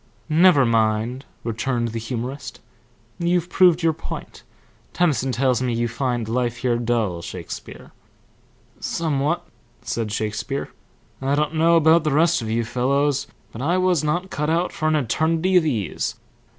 "Never mind," returned the humorist. "You've proved your point. Tennyson tells me you find life here dull, Shakespeare." "Somewhat," said Shakespeare. "I don't know about the rest of you fellows, but I was not cut out for an eternity of ease.